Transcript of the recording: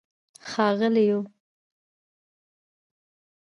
ښاغلیو